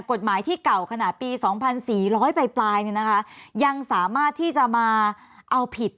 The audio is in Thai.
กฎหมายที่เก่าขนาดปี๒๔๐๐ปลายเนี่ยนะคะยังสามารถที่จะมาเอาผิด